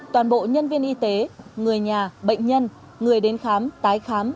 toàn bộ nhân viên y tế người nhà bệnh nhân người đến khám tái khám